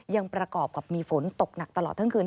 ประกอบกับมีฝนตกหนักตลอดทั้งคืน